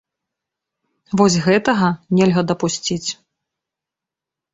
Вось гэтага нельга дапусціць.